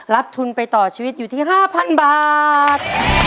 ทุนไปต่อชีวิตอยู่ที่๕๐๐๐บาท